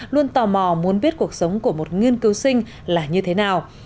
luôn tò mò muốn biết cuộc sống của một nghiên cứu sinh là như thế nào